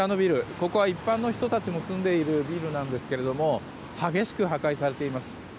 ここは一般の人たちも住んでいるビルなんですけれども激しく破壊されています。